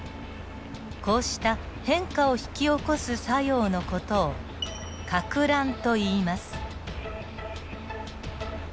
こうした変化を引き起こす作用の事をかく乱といいます。